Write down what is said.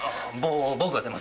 僕が出ます。